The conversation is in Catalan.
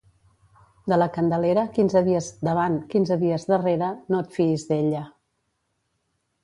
De la Candelera, quinze dies davant, quinze dies darrere, no et fiïs d'ella.